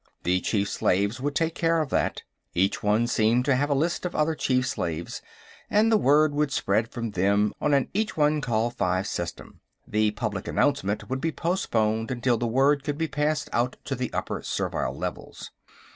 The chief slaves would take care of that; each one seemed to have a list of other chief slaves, and the word would spread from them on an each one call five system. The public announcement would be postponed until the word could be passed out to the upper servile levels.